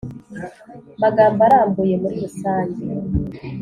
magambo arambuye muri rusange